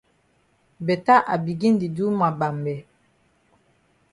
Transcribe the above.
Beta I begin di do ma mbambe.